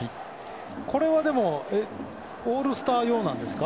これはオールスター用なんですか。